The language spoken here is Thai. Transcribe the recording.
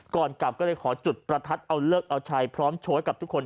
ก่อนกลับก็เลยขอจุดประทัดเอาเลิกเอาชัยพร้อมโชว์ให้กับทุกคน